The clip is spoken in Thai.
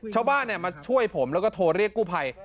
ชาวบ้านมันช่วยผมโทรเรียกกู้ภัย